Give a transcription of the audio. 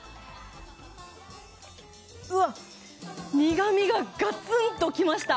うわ、苦味がガツンと来ました！